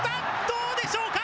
どうでしょうか。